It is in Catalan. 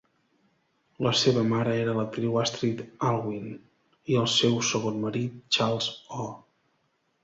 La seva mare era l'actriu Astrid Allwyn i el seu segon marit, Charles O.